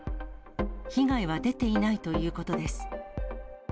被害は出ていないということです。